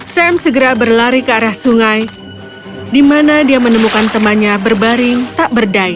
sam segera berlari ke arah sungai di mana dia menemukan temannya berbaring tak berdaya